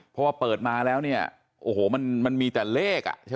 เพราะว่าเปิดมาแล้วมันมีแต่เลข